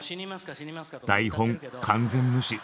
台本完全無視！